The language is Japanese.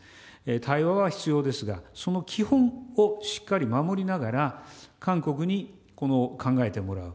対話は必要ですが、その基本をしっかり守りながら、韓国に考えてもらう。